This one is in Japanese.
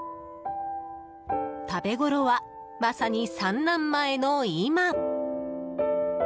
食べごろは、まさに産卵前の今。